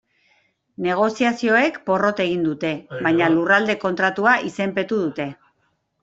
Negoziazioek porrot egin dute, baina Lurralde Kontratua izenpetu dute.